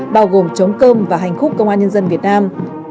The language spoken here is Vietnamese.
bao gồm chống cơm và hành khúc công an nhân dân việt nam